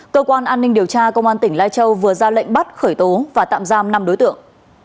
cơ quan an ninh điều tra công an tỉnh lai châu vừa ra lệnh bắt khởi tố và tạm giam năm đối tượng